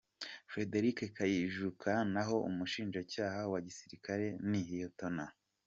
Frederic Kayijuka naho Umushinjacyaha wa gisirikare ni Lt.